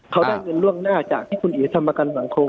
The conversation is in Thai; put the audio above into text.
เขาได้เงินล่วงหน้าจากที่คุณเอ๋ทำประกันสังคม